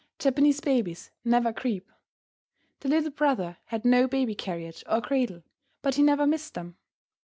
Japanese babies never creep. The little brother had no baby carriage or cradle, but he never missed them.